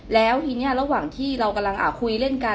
แล้วทีนี้ระหว่างที่เรากำลังคุยเล่นกัน